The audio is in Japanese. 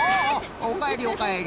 おかえりおかえり。